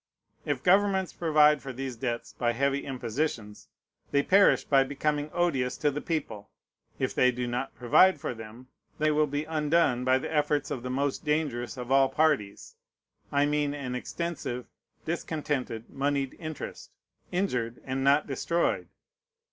If governments provide for these debts by heavy impositions, they perish by becoming odious to the people. If they do not provide for them, they will be undone by the efforts of the most dangerous of all parties: I mean an extensive, discontented moneyed interest, injured and not destroyed.